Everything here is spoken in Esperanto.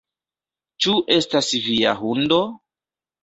Ĉu estas via hundo?